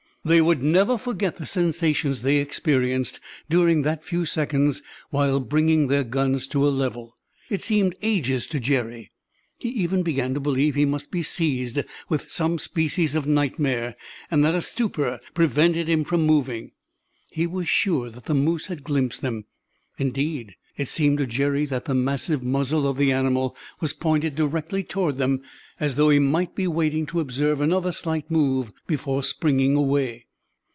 They would never forget the sensations they experienced during that few seconds while bringing their guns to a level. It seemed ages to Jerry. He even began to believe he must be seized with some species of nightmare, and that a stupor prevented him from moving. He was sure that the moose had glimpsed them. Indeed, it seemed to Jerry that the massive muzzle of the animal was pointed directly toward them, as though he might be waiting to observe another slight move before springing away.